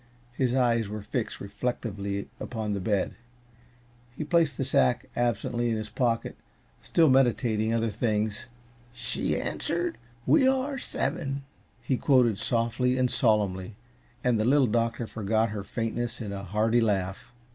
His eyes were fixed reflectively upon the bed. He placed the sack absently in his pocket, still meditating other things. "She answered: 'We are seven,'" he quoted softly and solemnly, and the Little Doctor forgot her faintness in a hearty laugh.